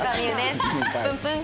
プンプン！